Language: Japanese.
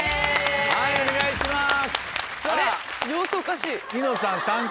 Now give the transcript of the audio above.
はいお願いします。